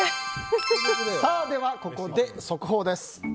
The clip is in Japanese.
では、ここで速報です。